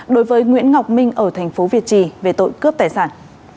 đối với nguyễn ngọc minh ở tp việt trì về tội cướp tài sản